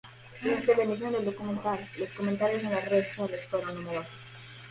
Durante la emisión del documental, los comentarios en las redes sociales fueron numerosos.